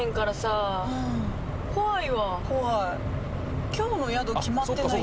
怖い。